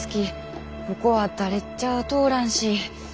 ここは誰ちゃあ通らんし。